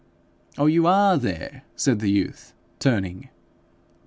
'Oh, you ARE there!' said the youth, turning.